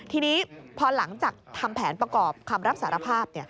ทีนี้พอหลังจากทำแผนประกอบคำรับสารภาพ